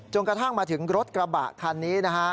จนกระทั่งมาถึงรถกระบะคันนี้